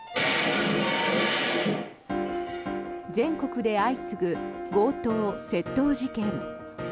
全国で相次ぐ強盗・窃盗事件。